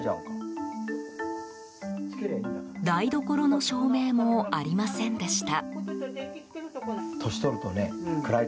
台所の照明もありませんでした。